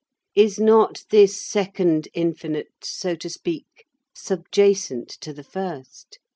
Is not this second infinite, so to speak, subjacent to the first?